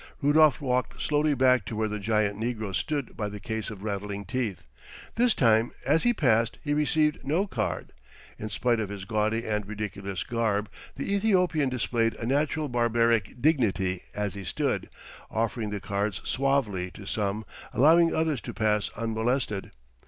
Rudolf walked slowly back to where the giant negro stood by the case of rattling teeth. This time as he passed he received no card. In spite of his gaudy and ridiculous garb, the Ethiopian displayed a natural barbaric dignity as he stood, offering the cards suavely to some, allowing others to pass unmolested.